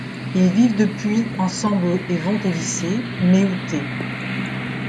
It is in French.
Ils vivent depuis ensemble et vont au lycée, Meiou-tei.